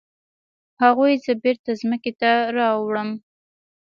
هغوی زه بیرته ځمکې ته راوړم.